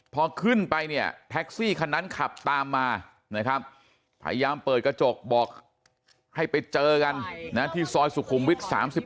พอขึ้นไปเนี่ยแท็กซี่คันนั้นขับตามมานะครับพยายามเปิดกระจกบอกให้ไปเจอกันนะที่ซอยสุขุมวิท๓๗